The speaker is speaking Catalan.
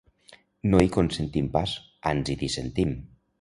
No hi consentim pas, ans hi dissentim.